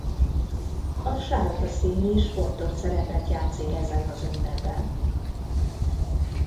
A sárga szín is fontos szerepet játszik ezen az ünnepen.